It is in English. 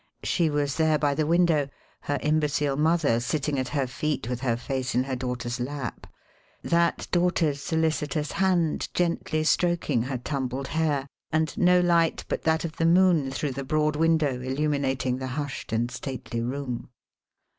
She was there by the window, her imbecile mother sitting at her feet with her face in her daughter's lap, that daughter's solicitous hand gently stroking her tumbled hair, and no light but that of the moon through the broad window illuminating the hushed and stately room.